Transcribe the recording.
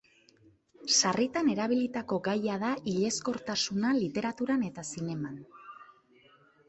Sarritan erabilitako gaia da hilezkortasuna literaturan eta zineman.